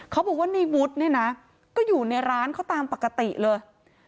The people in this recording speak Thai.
เขาบอกว่าในวุฒิเนี่ยนะก็อยู่ในร้านเขาตามปกติเลย